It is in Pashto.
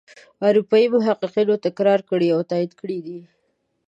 اروپايي محققینو تکرار کړي او تایید کړي دي.